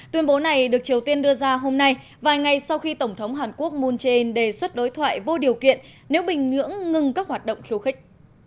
tuyên bố này được triều tiên đưa ra hôm nay vài ngày sau khi tổng thống hàn quốc moon jae in đề xuất đối thoại vô điều kiện nếu bình nhưỡng ngừng các hoạt động khiêu khích